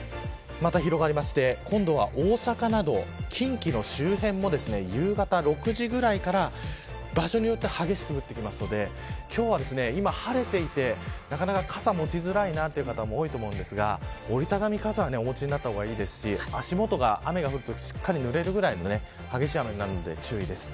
また広がって今度は大阪など、近畿の周辺も夕方６時くらいから場所によっては激しく降ってくるので今日は、今晴れていて、なかなか傘が持ちづらいという人も多いと思いますが折りたたみ傘は持った方がいいですし足元がぬれるくらい、しっかりと雨が降るので気を付けた方がいいです。